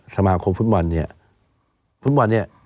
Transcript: สมาครกรฟุตบอลเนี่ย